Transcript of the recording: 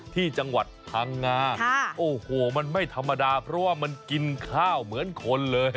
ที่จังหวัดพังงาโอ้โหมันไม่ธรรมดาเพราะว่ามันกินข้าวเหมือนคนเลย